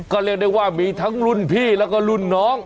ก็เรียกได้ว่ามีทั้งรุ่นพี่แล้วก็รุ่นน้อง